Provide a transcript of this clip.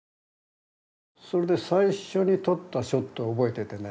それで最初に撮ったショットを覚えててね。